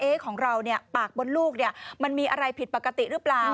ของเราเนี่ยปากบนลูกมันมีอะไรผิดปกติหรือเปล่า